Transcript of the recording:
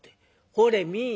「ほれ見い。